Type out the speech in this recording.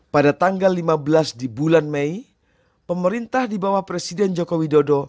pada tanggal lima belas di bulan mei pemerintah di bawah presiden joko widodo